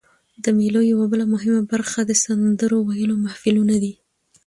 د مېلو یوه بله مهمه برخه د سندرو ویلو محفلونه دي.